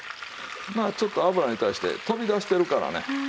まあちょっと油に対して飛び出してるからね。